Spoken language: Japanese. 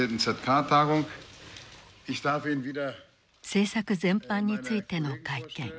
政策全般についての会見。